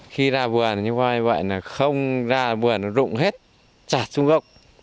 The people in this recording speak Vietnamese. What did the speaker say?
khi ra vườn như vậy là không ra vườn rụng hết chảt xuống gốc